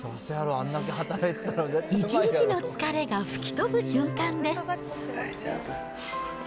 一日の疲れが吹き飛ぶ瞬間です。